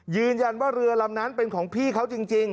ยืนยันว่าเรือลำนั้นเป็นของพี่เขาจริง